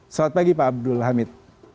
selamat pagi pak abdul hamid